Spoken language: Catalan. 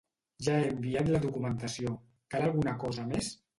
Ja he enviat la documentació, cal alguna cosa més?